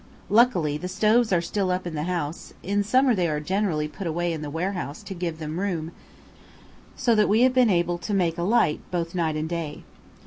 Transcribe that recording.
Luckily the stoves are still up in the house in summer they are generally put away in the warehouse to give them room so that we have been able to make a light both night and day.